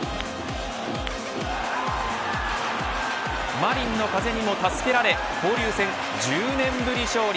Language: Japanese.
マリンの風にも助けられ、交流戦１０年ぶり勝利。